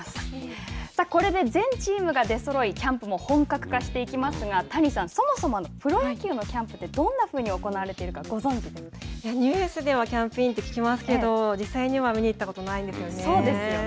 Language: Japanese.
これで全チームが出そろいキャンプも本格化していきますが谷さん、そもそもプロ野球のキャンプってどんなふうに行われているかニュースではキャンプインって聞きますけど実際には見に行ったことないんでそうですよね。